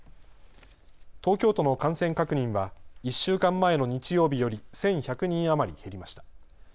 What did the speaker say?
東京都の感染確認は１週間前の日曜日より１１００人余り減りました。